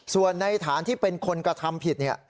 ส่วนในฐานที่เป็นคนกระทำผิดเนี่ย